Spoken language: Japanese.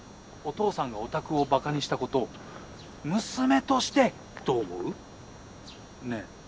お父さんがオタクをバカにしたこと娘としてどう思う？ねえ。